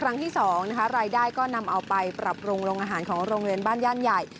ครั้งที่๒นะคะรายได้ก็นำเอาไปปรับปรุงโรงอาหารของโรงเรียนบ้านย่านใหญ่